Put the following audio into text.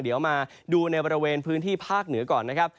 เดี๋ยวมาดูในบริเวณพื้นที่ภาคเหนือก่อนนะครับ